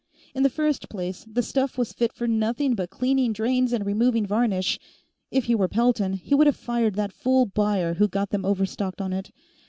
In the first place, the stuff was fit for nothing but cleaning drains and removing varnish; if he were Pelton, he would have fired that fool buyer who got them overstocked on it.